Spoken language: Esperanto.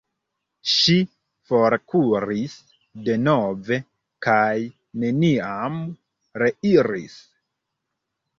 Ŝi forkuris denove kaj neniam reiris.